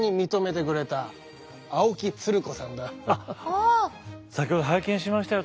あっ先ほど拝見しましたよ